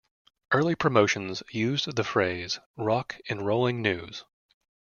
Early promotions used the phrase "rock 'n' rolling news".